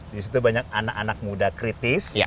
disitu banyak anak anak muda kritis